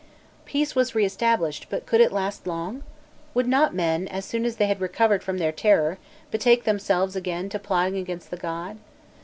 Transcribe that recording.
Peace was re established, but could it last long? Would not men, as soon as they had recovered from their terror, betake themselves again to plotting against the god?